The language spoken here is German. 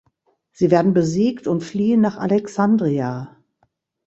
Sie werden besiegt und fliehen nach Alexandria.